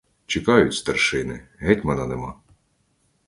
Чекають старшини, гетьмана нема.